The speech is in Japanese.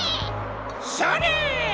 それ！